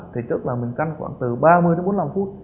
thì trước là mình căng khoảng từ ba mươi đến bốn mươi năm phút